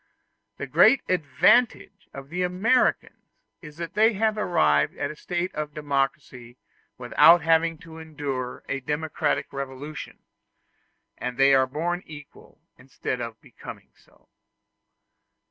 The great advantage of the Americans is that they have arrived at a state of democracy without having to endure a democratic revolution; and that they are born equal, instead of becoming so.